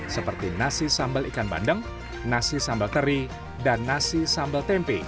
seperti nasi sambal ikan bandeng nasi sambal teri dan nasi sambal tempe